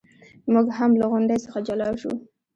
موږ هم له غونډې څخه جلا شو.